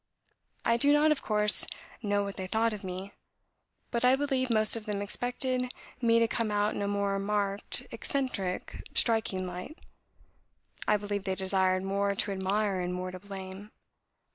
I do not, of course, know what they thought of me, but I believe most of them expected me to come out in a more marked, eccentric, striking light. I believe they desired more to admire and more to blame.